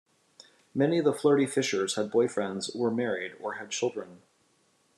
Many of the flirty fishers had boyfriends, were married, or had children.